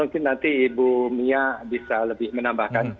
mungkin nanti dunia bisa lebih menambahkan